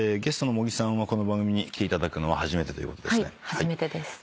初めてです。